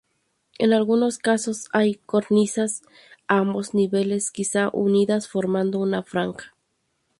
En algunos casos hay cornisas a ambos niveles, quizá unidas formando una franja.